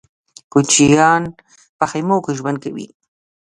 کوچيان په خيمو کې ژوند کوي.